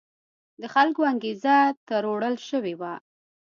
د خلکو انګېزه تروړل شوې وه.